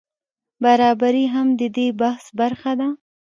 برابري هم د دې بحث برخه ده.